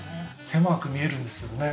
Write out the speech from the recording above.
狭く見えるんですけどね。